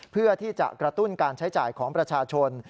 เพื่อที่จะกระตุ้นการใช้จ่ายของประชาชน